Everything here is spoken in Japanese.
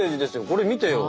これ見てよ。